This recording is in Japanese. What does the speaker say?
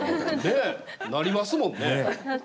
ねえなりますもんね。